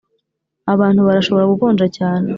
abantu barashobora gukonja cyane